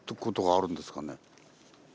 あるんですか。